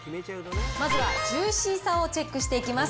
まずはジューシーさをチェックしていきます。